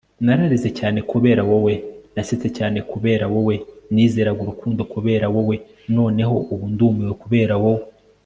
nararize cyane kubera wowe. nasetse cyane kubera wowe. nizeraga urukundo kubera wowe. noneho ubu ndumiwe kubera wowe